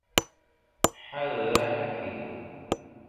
Ḥader aḥaki.